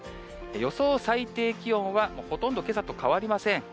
予想最低気温は、ほとんどけさと変わりません。